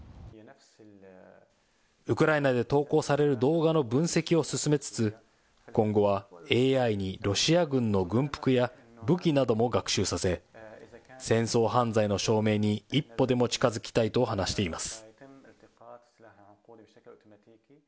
ウクライナで投稿される動画の分析を進めつつ、今後はＡＩにロシア軍の軍服や武器なども学習させ、戦争犯罪の証明に一歩でも近づきたいと話しています。